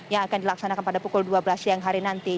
yang akan dilaksanakan pada pukul dua belas siang hari nanti